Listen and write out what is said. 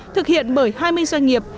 thực hiện bởi hai mươi doanh nghiệp